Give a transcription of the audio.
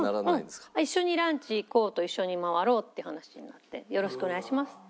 「一緒にランチ行こう」と「一緒に回ろう」って話になって「よろしくお願いします」って。